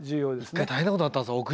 一回大変なことになったんですよ。